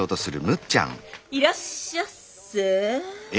いらっしゃっせぇ。